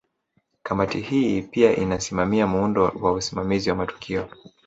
Kamati hii pia inasimamia muundo wa usimamizi wa matukio